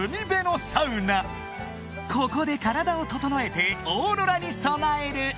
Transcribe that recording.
［ここで体を整えてオーロラに備える］